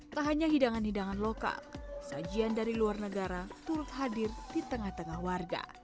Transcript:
tak hanya hidangan hidangan lokal sajian dari luar negara turut hadir di tengah tengah warga